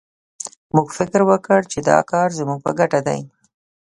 موږ فکر وکړ چې دا کار زموږ په ګټه دی